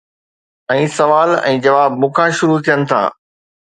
۽ سوال ۽ جواب مون کان شروع ٿين ٿا.